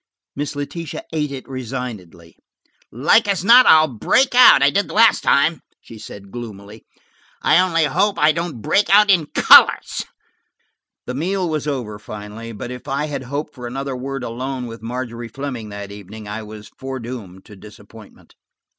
Miss Letitia ate it resignedly. "Like as not I'll break out, I did the last time," she said gloomily. "I only hope I don't break out in colors." The meal was over finally, but if I had hoped for another word alone with Margery Fleming that evening, I was foredoomed to disappointment.